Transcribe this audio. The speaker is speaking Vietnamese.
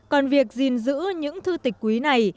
còn việc gìn giữ những thư tịch quý này